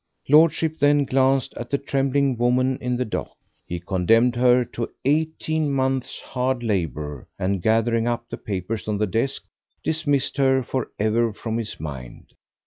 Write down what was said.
Lordship then glanced at the trembling woman in the dock. He condemned her to eighteen months' hard labour, and gathering up the papers on the desk, dismissed her for ever from his mind.